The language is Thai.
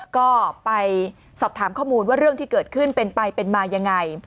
ก็ไปสอบถามข้อมูลว่าเรื่องที่เกิดขึ้นเป็นไปเป็นมายังไง